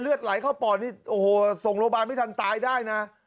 เลือดไหลเข้าปอดนี่โอ้โหทรงโรบางไม่ทันตายได้นะ